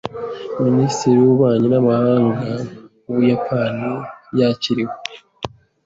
Minisitiri w’ububanyi n’amahanga w’Ubuyapani yakiriwe.